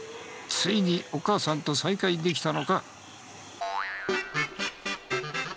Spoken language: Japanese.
ついにお母さんと再会できたのか？